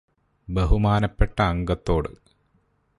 ബഹുമാനപ്പെട്ട അംഗത്തോട്